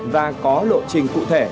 và có lộ trình cụ thể